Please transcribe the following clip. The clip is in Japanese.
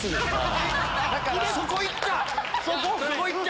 そこいった⁉